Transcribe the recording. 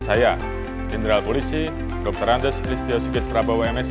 saya jenderal polisi dr andes kristios gitsraba wmsd